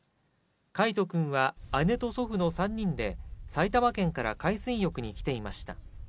櫂斗君は姉と祖父の３人で埼玉県から海水浴に来ていました。